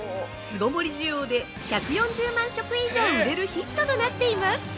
巣ごもり需要で１４０万食以上売れるヒットとなっています！